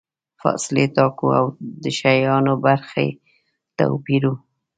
فاصلې ټاکو او د شیانو برخې توپیروو.